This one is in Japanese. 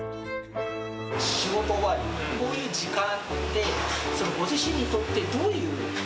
仕事終わりに、こういう時間って、ご自身にとってどういう？